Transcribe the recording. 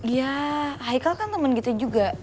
ya haikal kan temen kita juga